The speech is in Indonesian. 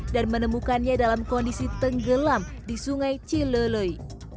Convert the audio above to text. dan menemukannya dalam kondisi tenggelam di sungai cilului